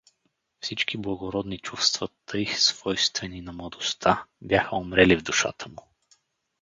Всички благородни чувства, тъй свойствени на младостта, бяха умрели в душата му.